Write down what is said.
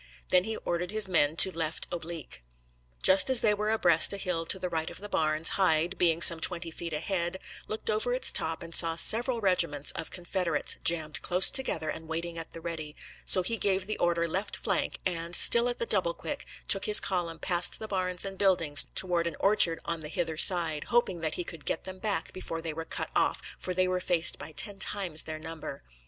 He then ordered his men to left oblique. Just as they were abreast a hill to the right of the barns, Hyde, being some twenty feet ahead, looked over its top and saw several regiments of Confederates, jammed close together and waiting at the ready; so he gave the order left flank, and, still at the double quick, took his column past the barns and buildings toward an orchard on the hither side, hoping that he could get them back before they were cut off, for they were faced by ten times their number.